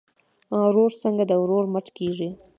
ورور څنګه د ورور مټ کیږي؟